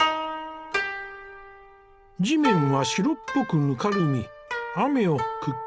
地面は白っぽくぬかるみ雨をくっきりと映し出している。